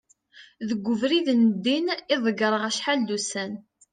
deg ubrid n ddin i ḍegreɣ acḥal d ussan